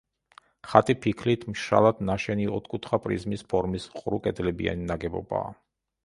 ხატი ფიქლით, მშრალად ნაშენი, ოთხკუთხა პრიზმის ფორმის ყრუკედლებიანი ნაგებობაა.